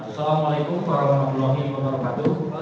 assalamualaikum warahmatullahi wabarakatuh